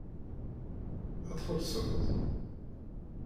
Ad txellṣemt?